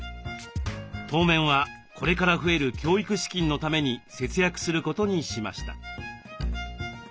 当面はこれから増える教育資金のために節約することにしました。